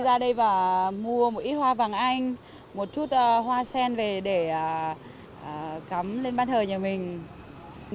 ra đây và mua một ít hoa vàng anh một chút hoa sen về để cắm lên ban thờ nhà mình